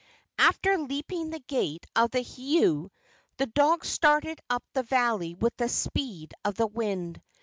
After leaping the gate of the heiau the dog started up the valley with the speed of the wind.